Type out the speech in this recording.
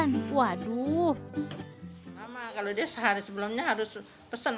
sebelumnya nih soalnya sering banget kehabisan waduh kalau dia sehari sebelumnya harus pesan